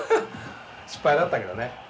失敗だったけどね。